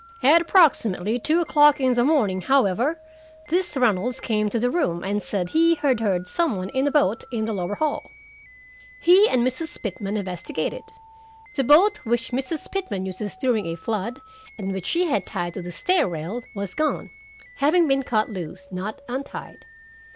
"'At approximately two o'clock in the morning, however, this Reynolds came to the room, and said he had heard some one in a boat in the lower hall. He and Mrs. Pitman investigated. The boat which Mrs. Pitman uses during a flood, and which she had tied to the stair rail, was gone, having been cut loose, not untied.